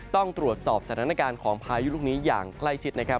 ต้องตรวจสอบสถานการณ์ของพายุลูกนี้อย่างใกล้ชิดนะครับ